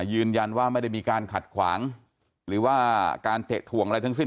ยืนยันว่าไม่ได้มีการขัดขวางหรือว่าการเตะถ่วงอะไรทั้งสิ้น